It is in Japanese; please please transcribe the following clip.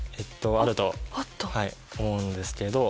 あると思うんですけど。